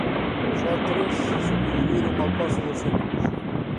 Só tres sobreviviron ao paso dos séculos.